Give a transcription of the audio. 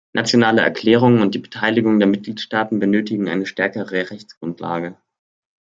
Nationale Erklärungen und die Beteiligung der Mitgliedstaaten benötigen eine stärkere Rechtsgrundlage.